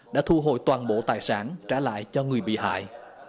đã thu hồi toàn bộ tài sản trả lại cho người bị hại